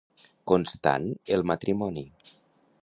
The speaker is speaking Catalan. Constant el matrimoni.